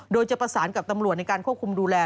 โดยจะประสานกับตำรวจในการควบคุมดูแล